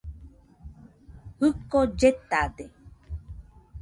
Jɨko lletade.